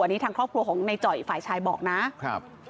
อันนี้ทางครอบครัวของในจ่อยฝ่ายชายบอกนะครับ